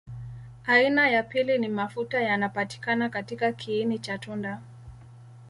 Aina ya pili ni mafuta yanapatikana katika kiini cha tunda.